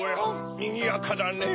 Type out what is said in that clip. にぎやかだねぇ。